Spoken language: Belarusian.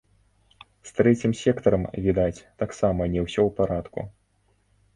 З трэцім сектарам, відаць, таксама не ўсё ў парадку.